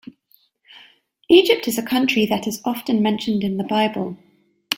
Egypt is a country that is often mentioned in the Bible.